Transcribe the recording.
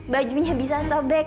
bajunya bisa sobek